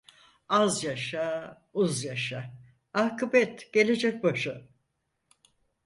Az yaşa, uz yaşa, akıbet gelecek başa.